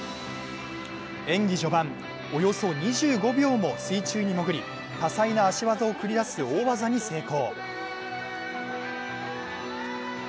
演技序盤、およそ２５秒も水中に潜り多彩な足技を繰り出す大技に成功。